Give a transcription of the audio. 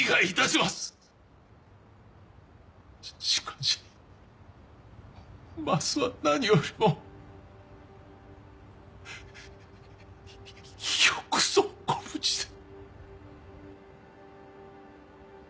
しかしまずは何よりもよくぞご無事で！